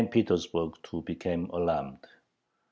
Petersburg too became alarmed.